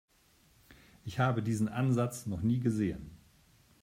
Ich habe diesen Ansatz noch nie gesehen.